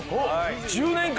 １０年間！？